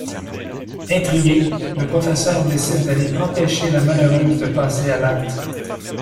Intrigué, le professeur décide d'aller empêcher la malheureuse de passer à l'acte.